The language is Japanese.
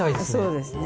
そうですね。